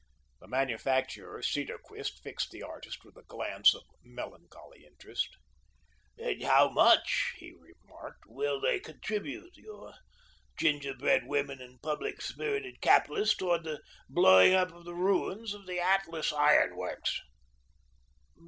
The manufacturer, Cedarquist, fixed the artist with a glance of melancholy interest. "And how much," he remarked, "will they contribute your gingerbread women and public spirited capitalists, towards the blowing up of the ruins of the Atlas Iron Works?"